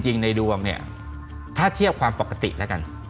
จริงในดวงถ้าเทียบความปกตินะครับ